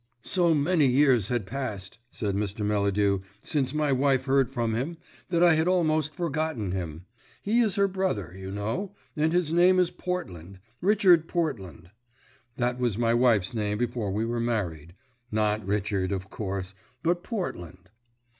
"So many years had passed," said Mr. Melladew, "since my wife heard from him that I had almost forgotten him. He is her brother, you know, and his name is Portland Richard Portland. That was my wife's name before we were married not Richard, of course, but Portland."